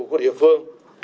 của địa phương